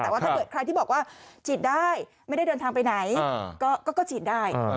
แต่ว่าถ้าเกิดใครที่บอกว่าฉีดได้ไม่ได้เดินทางไปไหนก็ฉีดได้